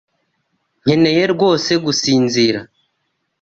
Nkeneye rwose gusinzira.